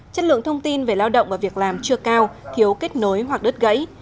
chất lượng thông tin về lao động và việc làm chưa cao thiếu kết nối hoặc đứt gãy